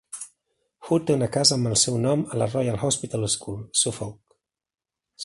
Hood té una casa amb el seu nom a la Royal Hospital School, Suffolk.